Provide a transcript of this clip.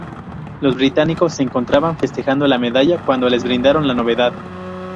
Los británicos se encontraban festejando la medalla cuando les informaron la novedad.